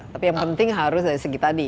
tapi yang penting harus dari segi tadi